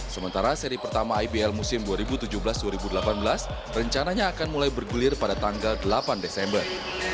sementara seri pertama ibl musim dua ribu tujuh belas dua ribu delapan belas rencananya akan mulai bergulir pada tanggal delapan desember